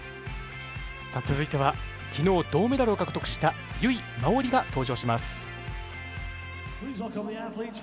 続いては昨日、銅メダルを獲得した由井真緒里が登場します。